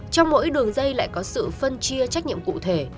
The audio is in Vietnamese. trong mỗi đường dây lại có sự phân chia trách nhiệm cụ thể